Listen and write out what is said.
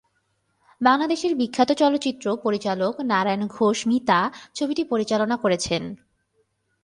বাংলাদেশের বিখ্যাত চলচ্চিত্র পরিচালক নারায়ণ ঘোষ মিতা ছবিটি পরিচালনা করেছেন।